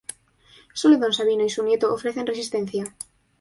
Sólo Don Sabino y su nieto ofrecen resistencia.